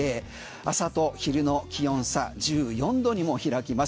朝と昼の気温差１４度にも開きます。